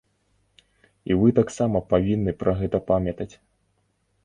І вы таксама павінны пра гэта памятаць.